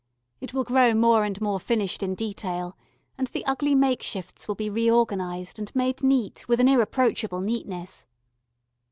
It will grow more and more finished in detail, and the ugly make shifts will be reorganised and made neat with an irreproachable neatness.